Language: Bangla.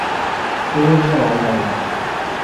তিনি একজন অলরাউন্ডার।